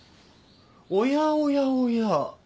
おやおやおや。